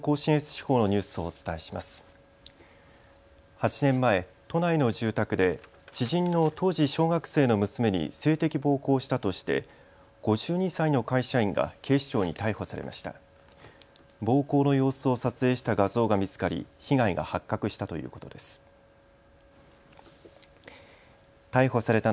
８年前、都内の住宅で知人の当時小学生の娘に性的暴行をしたとして５２歳の会社員が警視庁に逮捕されました。